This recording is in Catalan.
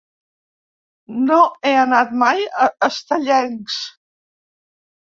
No he anat mai a Estellencs.